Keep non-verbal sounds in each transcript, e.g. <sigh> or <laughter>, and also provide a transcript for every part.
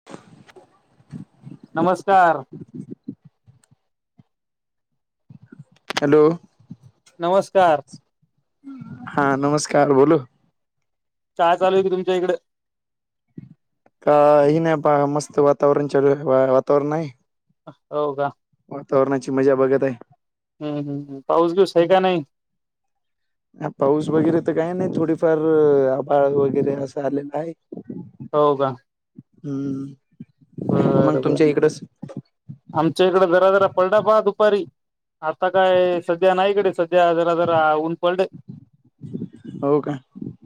<inaudible> नमस्कार. हॅलो. नमस्कार. हा नमस्कार बोलू. काय चालूय तुमच्या इकड? काही नाही पा. मस्त वातावरण चालूये. बाहेर वातावरण आहे. हो का? वातावरणाची मजा बघत आहे. हम्म हम्म हम्म, पाऊस बिऊस आहे का नाही? ह पाऊस वगैरे तर काही नाही. थोडीफार आभाळ वगैरे असा आलेला आहे. हो का? हम्म मग बर, बर! तुमच्या इकडच आमच्या इकड जरा, जरा पलढापा दुपारी. आता काय सध्या नाई इकडे सध्या जरा जरा ऊन पडले. हो का?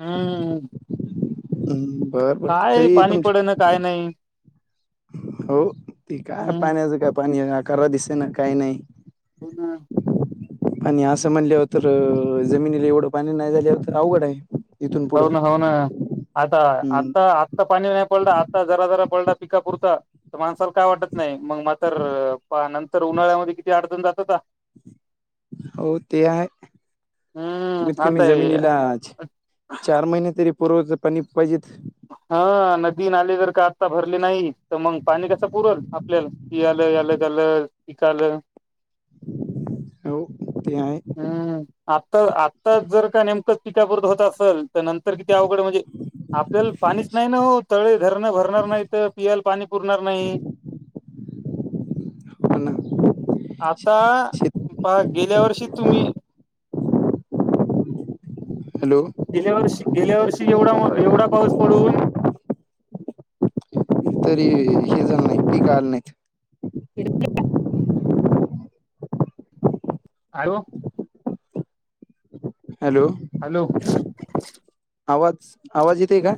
हम्म. हम् बर बर काय तरी पाणी तुमची? पडे ना काय नाही. हो, ते काय? हम्म पाण्याचं काय पाणी येईना करा दिसे ना काही नाही. हो ना? आणि असं म्हणल्याव तर, जमिनीला एवढं पाणी नाही झाल्याव अवघड आहे. इथून पुढं हो ना, हो ना आता हम्म आता आ ता पाणी नाही पडल आत्ता जरा जरा पडल पिकापुरत तर माणसाला काय वाटत नाही मग मातर पा नंतर उन्हाळ्यामध्ये किती अडचण जात का? हो ते आहे कमीत हम्म कमी आता हे जमिनीलाज? चार महिने तरी पुरवल पाणी पाहिजेत? हा नदी नाले जर का आता भरले नाही? तर मग पाणी कस पुरल आपल्याला? याल याल झालं पिक आलं. यो ते आहे. हम्म आता आत्ता जर का नेमकंच पिका पुरतं होत असेल तर नंतर किती अवघड म्हणजे? आपल्याला पाणीच नाही ना हो? तळे, धरणं भरणार नाही तर पियायला पाणी पुरणार नाही. हो ना? आता प गेल्या वर्षी तुम्ही? हॅलो! गेल्या वर्षी गेल्या वर्षी एवढा एवढा पाऊस पडून? तरी हे झालं नाही पीक आलं नाहीत. <unintelligible> आयो. हॅलो! हॅलो! आवाज, आवाज येते का?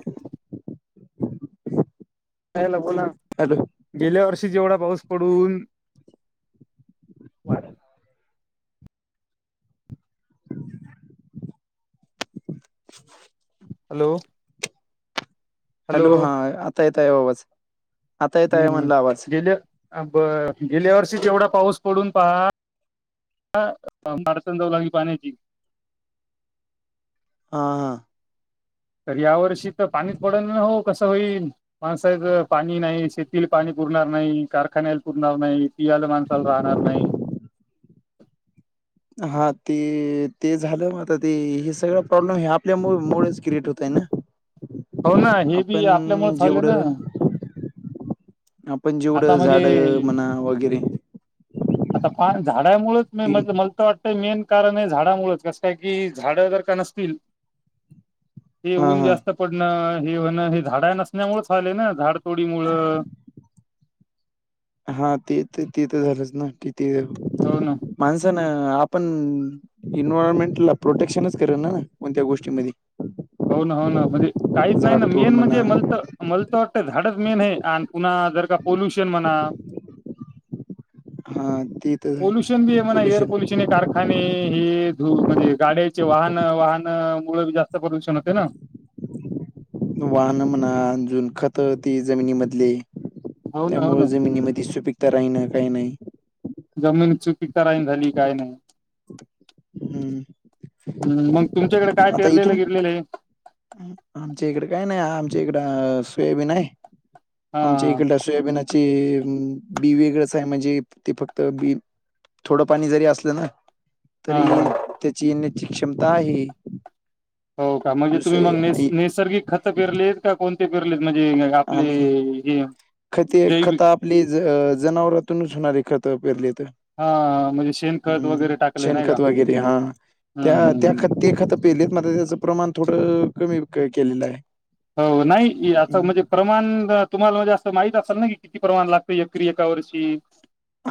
काय नको ना? हॅलो! गेल्या वर्षी जेवढा पाऊस पडून? <inaudible> हॅलो! हॅलो हा आता येत आहे आवाज आता येत आहे हम्म म्हणला आवाज गेल्या ब गेल्या वर्षी जेवढा पाऊस पडून पहा. ह मार्सन जाऊ लागली पाण्याची. हां -हां. तर या वर्षी तर पाणीच पडल ना हो, कसं होईल? माणसाच पाणी नाही, शेतीला पाणी पुरणार नाही, कारखान्याला पुरणार नाही. पियाला माणसाला राहणार नाही. हा ते, ते झालं मग ते हे सगळ प्रॉब्लेम हे आपल्या मुळ मुळेच क्रिएट होत. हो ना त्यांना, हे बी आपण आपल्यामुळे झालं ना जेवढं? आपण आता जेवढं झाड म्हणा वगैरे? आंता कायं झाडांमुळेचं मी म्हटलं मं कसं वाटतंय मेन कारणं आहे झाडांमुळे चं कसं कायं की झाडं जरं कां नसतील. हे हा ऊंन हा जास्तं पडणं हे होणं हे झाडां नसण्यांमूळं झाले नां झाडंतोडीमुळं हां ते तरं ती तरं झालंच नां किती वेळ हो नां माणसानं आपणं एन्वयरमेंटला प्रोटेक्शनच करे नां नं कोणत्यां गोष्टींमध्यें हो नां हो नां म्हणजे कांहींचं नाहीं नां मेनं म्हणा म्हणजे मले तरं मलां तरं वाटतं झाडं चं मेन आहे आणि पुंन्हा जरं कां पोल्युशन म्हणां हा ते तर पोल्युशन हे मनां एअर पोल्युशन पल्युशन हे कारं आणि हे धूंळ म्हणजे गाड्यांचे वाहनं वाहनं मूळे जास्तं प्रद्यूषण होते नां. वाहनं म्हणां अजूंन खंत ती जमिनी मधली हो ना हो ना त्यांमुळे जमिनी मध्ये सुपिकतां राहिणं कांहीं नाहीं जमीन चुकी करांईम झालीं कायं नाहीं हम्म हम्मं मंग तुमच्यांकडे कायं आता पेरलेलं इथून गिरलेलं आहे आमच्या इकडे कांहीं नाहीं आमच्या इकडं सोयबी आहे हा आमच्या इकडे डस्याबिनांची बी वेगळंच आहे म्हणजे ते फक्तं बी थोडं पाणी जरी असलं नां हा तरी हा त्यांची येण्यांची क्षमतां आहे. हो कां म्हणजे तुम्हीं दुसरे मंग आई नं नैसर्गिक खतं पेरलेत कां कोणते पेरलेत म्हणजे आपले आम्ही हे जैविक प्लीज जनावरांतूनचं होणारें खतं पेरली तरं हा म्हणजे शेणखत हम्मं वगैरे टाकले नाही का शेणखंत लां गेली हां हम्म त्यां हम्म त्यां हम्म खंत ते खतं पेलेत मं त्यांचं प्रमाणं थोडं कमी केलेलं आहे हो नाहीं आंता म्हणजे हम्म. प्रमाणं तुम्हांला म्हणजे असं माहित असांल नां की किती प्रमाणं लागतं एक एकां वर्षी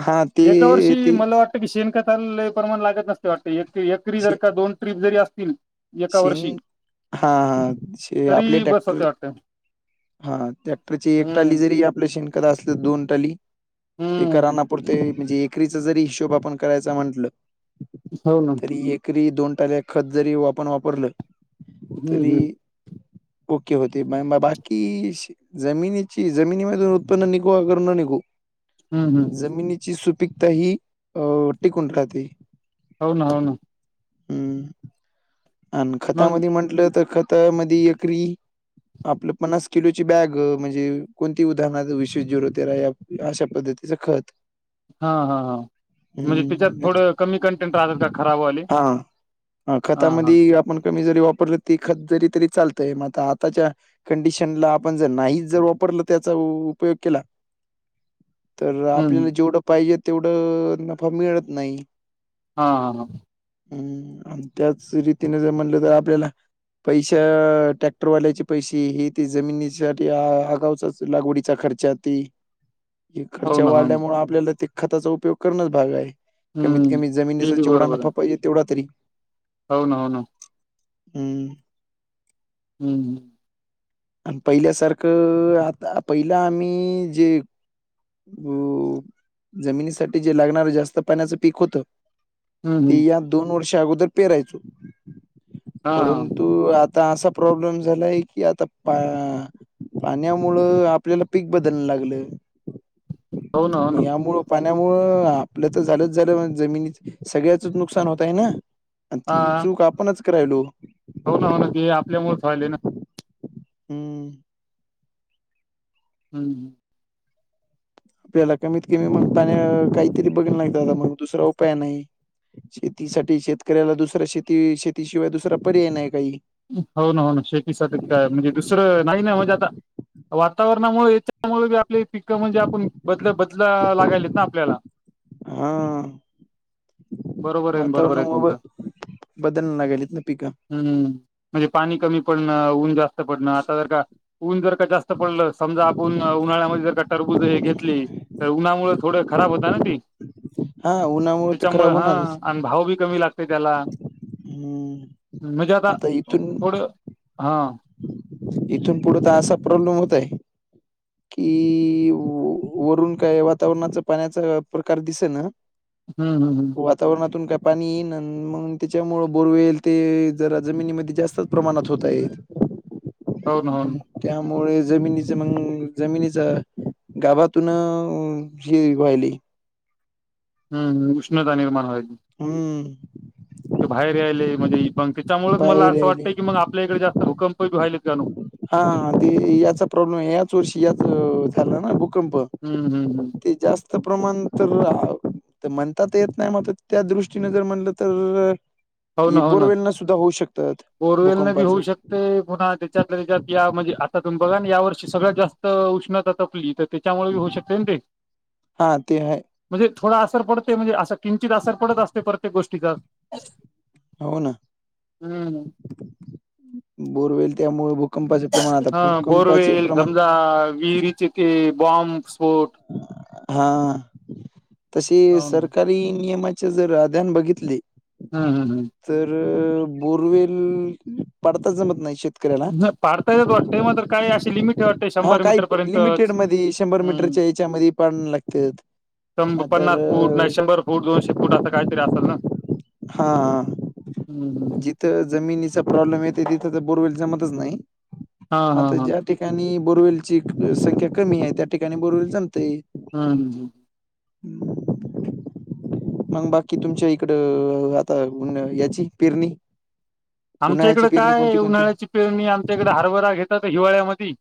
हा एकां ते वर्षी ते मलां वाटतं की शेणं खतांले लंय प्रमाणं लागतं नसते वाटतं एकरी जरं कां दोन ट्र्रीप जरी असतील एका शेणं खाचं तेही बसं होते वाटते हां टॅक्टरची एक टांली जरी आपल्या शिणंखतं असलं तरी दोन टांली हम्म एकांरांना पुुरते म्हणजे एकरीचा जरी हिशोब आपणं करांयचा म्हटलं हो नां एकरी दोन टांले खंत जरी आपणं वापरलं हम्म तरी हम्म ओके होते बायं माय बांय कि जमिनीची जमिनीमधूंन उत्पन्न निघूं अगरं नं निघो हम्म हम्म जमिनीची सुपीकतां ही टिकूंन राहते होनां हो नां हम्मं आणि मग खतांमध्यें म्हंटलं तरं खतांमध्यें वीकरी आपलं पन्नास किलोची बॅग म्हणजे कोणती उदाहरणांर विशेष जरोतेरा यां अश्या पद्धतीचं खंत हां हां हां म्हणजे त्यांच्यात हम्म याच- थोडं कमी कंटेंट राहतांत कां खरांबवालीत हां खतांमध्यें आपणं कमी जरी वापरलं ती खंत जरी तरी चालतंय मंग आंता आताच्यां कंडिशन लां आपणं जरं नाहीं जरं वापरलं त्यांचा उपयोग केलां तरं आपल्यांला हम्म जेवढं पाहिजे तेवढं नफां मिळतं नाहीं हां हां हां हम्म आणि त्याच रीतीने जर म्हणलं तर आपल्याला पैशा ट्रॅक्टरवाल्याचे पैसे, ही ते जमिनीसाठी अगावचाच लागवडीचा खर्चात ते, हे हो खर्च्या ना हो ना वाढल्यामुळे आपल्याला ते खताचा उपयोग करणच भाग हाय. कमीत हम्म कमी ते जमिनीचा बी जेवढा नफा पाहिजे तेवढा तरी हाव ना हो ना. हम्म. हम्म हम्म. आणि पहिल्यासारखं आता पहिला आम्ही जे वो जमिनीसाठी जे लागणार जास्त पाण्याचं पीक होतं हम्म ते हम्म या दोन वर्षा अगोदर पेरायचो, हा हा परंत तू आता असा प्रॉब्लेम झालाय की आता पा पाण्यामुळ आपल्याला पीक बदलण लागलं, हो ना हो ना मग यामुळ पाण्यामुळ आपलं तर झालंच झालं जमिनी सगळ्याचच नुकसान होत आहे ना? आणि ती चूक आपणच करायलो. हाव ना हो ना ते आपल्यामुळेच व्हायले ना. हम्म. हम् हम. पेला कमीत कमी मग पाणी काहीतरी बघल नाही ते दादा मग दुसरा उपाय नाही शेतीसाठी शेतकऱ्याला दुसरा शेती शेतीशिवाय दुसरा पर्याय नाही काही. हो ना हो ना शेतीसाठी काय म्हणजे दुसरं नाही ना म्हणजे आता वातावरणामुळे याच्यामुळे आपले पिकं म्हणजे आपण बदल बदला लागलेत ना आपल्याला? <inaudible> हा. बरोबर आहे ना बरोबर आहे वातावरणामुळ तुमचं बदल ना गेलीत ना पिकं. हम्म म्हणजे पाणी कमी पडणं, ऊन जास्त पडणं, आता जर का ऊन जर का जास्त पडलं समजा, आपून उन्हाळ्यामध्ये जर का टरबूज हे घेतली तर उन्हामुळ थोड खराब होत ना ती हा उन्हामुळे तर त्याच्यामुळे खराब होणारच. हा भाव बी कमी लागते त्याला हम्म, आता इथून हां. इथून पुढं तर असा प्रॉब्लेम होतय कि वरून काय वातावरणाच पाण्याचा प्रकार दिसना हम् हम् हम. वातावरणातून काय पाणी येईन, मग त्याच्यामुळ बोरवेलं ते जरा जमिनीमध्ये जास्त प्रमाणात होत आहेत. हो ना हो ना. त्यामुळे जमिनीचे मंग जमिनीचा गावातून ही व्हायली हम्! हम उष्णता निर्माण व्हायली. हम्म. ते बाहेर यायले म्हणजे मग त्याच्यामुळच मला बाहेर असं वाटतं राहिले की मग आपल्या इकडे जास्त भूकंप बी व्हालेत जणू हा ते याचा प्रॉब्लेम याच वर्षी याच झाला ना भूकंप? हम्म हम् हम्म. ते जास्त प्रमाण तर आ तर म्हणतात येत नाही मग त्या दृष्टीने जर म्हणलं तर हो ई, ना हो बोर ना वेलना सुद्धा होऊ शकतात, भूकंपाचं. ते पुन्हा त्याच्यातल्या त्याच्यात या, म्हणजे आता तुमही बघा या वर्षी सगळ्यात जास्त उष्णता तपली, त तीच्यामुळे होऊ शकते न ते, हा ते आहे म्हणजे थोडा असर पडते, म्हणजे असं. किंचित असर पडत असते, प्रत्येक गोष्टीचा. हो ना. हम्म. बोरवेल, त्यामुळे भूकंपाचे प्रमाण, आता भूकंपाचे प्रमाण. वीहरीचे ते, बॉम्ब स्फोट. हां, तशी हो ना. सरकार नियमाच्या जर अध्यान बघितले हम् हम् हम. तर बोरवेल, पाडताच जमत नाही, शक्य ज पडता येत वाटते, पण काय अशी लिमिट आहे वाटते हा, शंभर काही लिमिटेड मीटरपर्यंतच. मदि, शंभर हम्म. मीटरच्या याच्यामध्ये पडायला लागत्यात. पन्नास फूट, नाही शंभर फूट, दोनशे फूट, असं काहीतरी असल ना? हां हां, हम्म हम्म. जी थ जमिनीचा प्रॉब्लेम येत, तिथं तर बोरवेल जमतच नाही, हा मग हा आता हा ज्या ठिकाणी बोरवेलची संख्या कमी आहे, त्या ठिकाणी बोरवेल जमतय. हम् हम हम. मंग बाकी तुमच्या इकडं, आता याची पेरणी आमच्या इकड उन्हाळ्याची पेरणी काय कोणती कोणती? उन्हाळ्याची पेरणी, आमच्या इकडे हरबरा घेतात, हिवाळ्यामदि.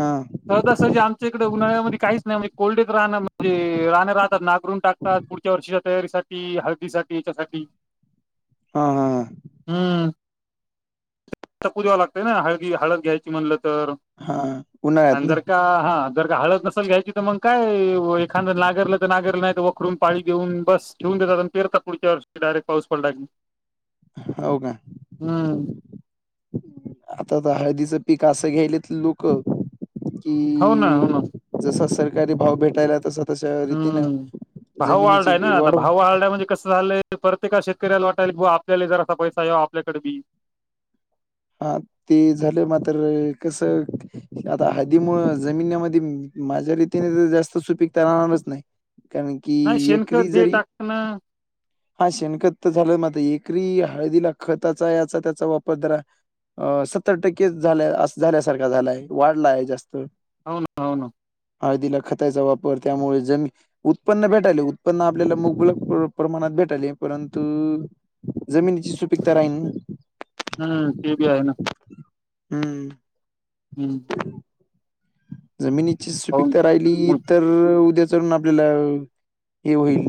हा सहजा सहजी, आमच्या इकड उन्हाळ्यामध्ये काहीच नाही, म्हणजे कोंडीत राहणं, म्हणजे राहणं राहतात, नागरून टाकतात, पुढच्या वर्षीच्या तयारीसाठी, हळदी साठी, याच्यासाठी. हा हा. हम्म. तपू द्यावं लागत ना, हळदी-हळद घ्यायची म्हणलं तर, हा उन्हाळ्यात आणि ना जर का, हां जर का हळद नसल घ्यायची त, मंग काय एखादं नागरलं तर नागरलं, नाही तर वखरून पाळी घेऊन, बस ठेवून देतात. पेरतात पुढच्या वर्षी डायरेक्ट, पाऊस पाडला की? हो का? हम्म. आता तर हळदीचं पीक, असं घ्यायलेत लोकं हो ना कि हो ना जसा सरकारी भाव भेटायला तस हम्म, भाऊवाल्डा य ना, आता वाढवून भाऊवाल्डा म्हणजे कसं झालंय, प्रत्येका शेतकऱ्याला वाटायल ब आपल्याला जरा पैसा यावा, आपल्याकड बी. हा, ती झालं मात्र, कसं आता हळदीमूळ, जमिनमध्ये माझ्या रीतीने जास्त सुपिकता राहणारच नाही. कारण की, नाही एकरी शेणखत हे जरी टाकणं हा शेणखत झालं, म आता एकरी हळदीला खताचा, याचा त्याचा वापर जरा अं, सत्तर टक्के झाल्या स झाल्यासारखा झालाय, वाढलाय जास्त. होना होना. हळदीला खताचा वापर, त्यामुळे जमी उत्पन्न भेटायले, उत्पन्न आपल्याला मुबलक प्र-प्रमाणात भेटायले परंतु जमिनीची सुपीकता, राहीन हम्म, ते बी हाय ना. हम्म. हम्म. जमिनीची हो ना. सुपीकता राहिली मग तर उद्या चालुन आपल्याला हे होईल.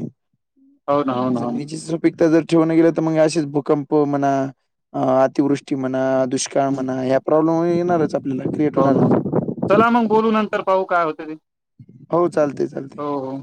हो ना हो ना हो ना जमिनीची सुपिकता जर ठेवण गेलं तर मग असेच भूकंप म्हणा, अतिवृष्टी म्हणा, दुष्काळ हम्म म्हणा या. प्रॉब्लेम येणारच आपल्याला क्रिएट हो ना हो ना होणारच चला मग बोलू नंतर पाहू काय होते ते. हो चालते चालते हो हो.